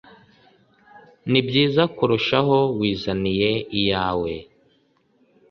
nibyiza kurushaho wizaniye iyawe.